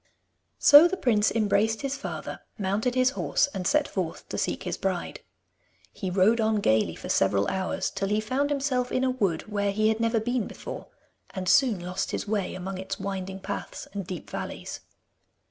So the prince embraced his father, mounted his horse, and set forth to seek his bride. He rode on gaily for several hours, till he found himself in a wood where he had never been before, and soon lost his way among its winding paths and deep valleys.